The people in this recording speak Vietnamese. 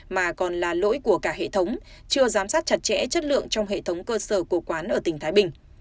mà còn là lỗi của cả hệ thống chưa giám sát chặt chẽ chất lượng trong hệ thống cơ sở của quán ở tỉnh thái bình